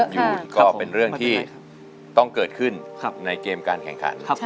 ยูนก็เป็นเรื่องที่ต้องเกิดขึ้นในเกมการแข่งขัน